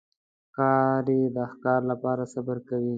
ښکاري د ښکار لپاره صبر کوي.